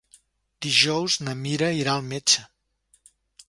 Dijous na Mira irà al metge.